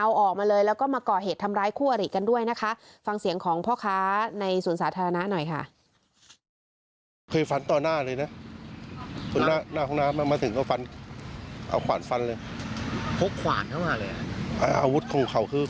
เอาออกมาเลยแล้วก็มาก่อเหตุทำร้ายคั่วหลีกันด้วยนะคะ